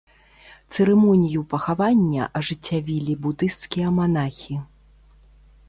Цырымонію пахавання ажыццявілі будысцкія манахі.